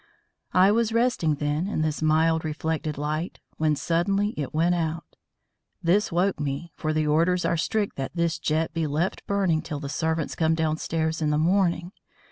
I was resting then, in this mild reflected light, when suddenly it went out. This woke me, for the orders are strict that this jet be left burning till the servants come downstairs in the morning.